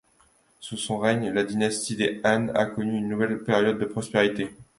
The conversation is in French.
Sous son règne, la dynastie des Han a connu une nouvelle période de prospérité.